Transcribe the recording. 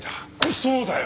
そうだよ！